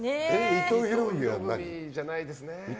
伊藤博文は何に？